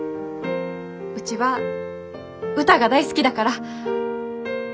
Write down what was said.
うちは歌が大好きだから。